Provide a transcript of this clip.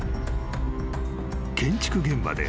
［建築現場で］